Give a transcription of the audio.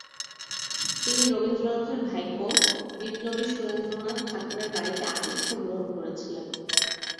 তিনি রবীন্দ্রনাথের ভাইপো বিপ্লবী সুরেন্দ্র নাথ ঠাকুরের বাড়িতে আতিথ্য গ্রহণ করেছিলেন।